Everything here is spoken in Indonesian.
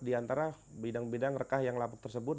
di antara bidang bidang rekah yang lapuk tersebut